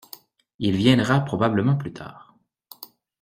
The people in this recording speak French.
Il viendra probablement plus tard.